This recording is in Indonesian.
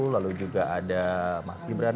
lalu juga ada mas gibran